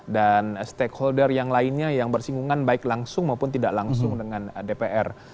dan stakeholder yang lainnya yang bersinggungan baik langsung maupun tidak langsung dengan dpr